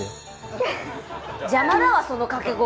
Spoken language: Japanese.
邪魔だわその掛け声。